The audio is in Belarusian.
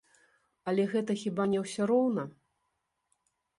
Але гэта хіба не ўсё роўна?